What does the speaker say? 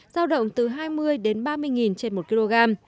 giao động từ hai mươi đến ba mươi nghìn trên một kg